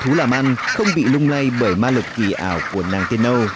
thú làm ăn không bị lung lay bởi ma lực kỳ ảo của nàng tiên âu